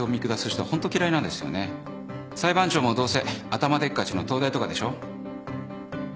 裁判長もどうせ頭でっかちの東大とかでしょ。